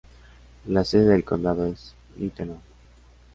La sede del condado es Littleton.